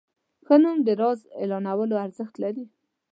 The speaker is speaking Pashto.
ښه نوم د زر اعلانونو ارزښت لري.